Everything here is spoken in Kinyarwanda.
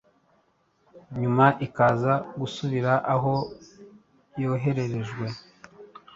nyuma ikaza gusubira aho yohererejwe